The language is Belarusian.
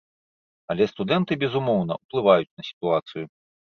Але студэнты, безумоўна, уплываюць на сітуацыю.